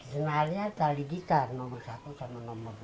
sebenarnya tali gitar nomor satu sama nomor dua